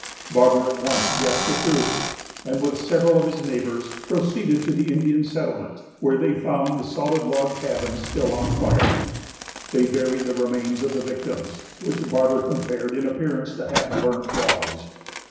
Barber at once guessed the truth, and, with several of his neighbors, proceeded to the Indian settlement, where they found the solid log cabins still on fire. They buried the remains of the victims, which Barber compared in appearance to half burnt logs.